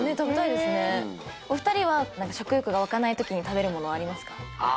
お二人は食欲が湧かないときに食べるものありますか？